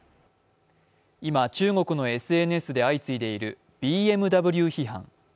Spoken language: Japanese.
今、中国のＳＮＳで相次いでいるＢＭＷ批判。